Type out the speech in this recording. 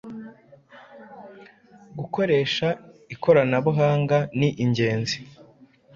Gukoresha ikoranabuhanga ni ingenzi.